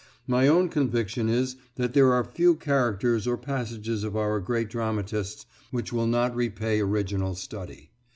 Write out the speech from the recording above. My own conviction is that there are few characters or passages of our great dramatists which will not repay original study.